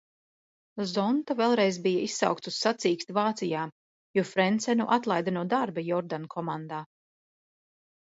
Zonta vēlreiz bija izsaukts uz sacīksti Vācijā, jo Frencenu atlaida no darba Jordan komandā.